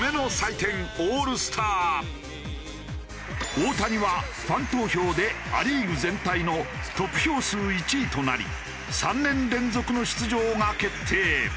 大谷はファン投票でア・リーグ全体の得票数１位となり３年連続の出場が決定。